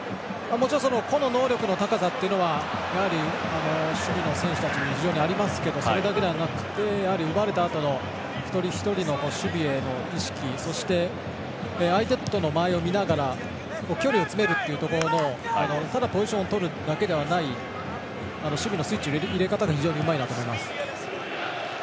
もちろん個の能力の高さやはり守備の選手たちも非常にありますけどそれだけではなくて奪われたあとの一人一人の守備への意識そして相手との間合いを見ながら距離を詰めるっていうところのただポジションを詰めるだけではない守備のスイッチの入れ方が非常にうまいなと思います。